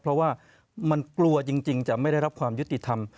เพราะว่ามันกลัวจริงจะไม่ได้รับความยุติธรรม